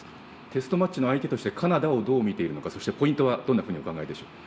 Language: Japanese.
テストマッチの相手としてカナダをどう見ているのかそして、ポイントはどんなふうにお考えでしょう？